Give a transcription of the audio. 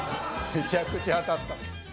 めちゃくちゃ当たった。